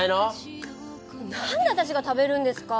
なんで私が食べるんですか？